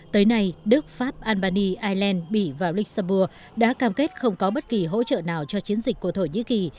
tới nay đức pháp albania ireland mỹ và luxembourg đã cam kết không có bất kỳ hỗ trợ nào cho chiến dịch của thổ nhĩ kỳ